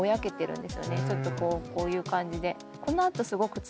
ちょっとこういう感じで。